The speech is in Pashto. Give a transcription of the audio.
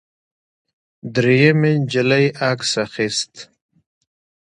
درېیمې نجلۍ عکس اخیست.